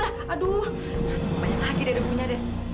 aduh banyak lagi deh debunya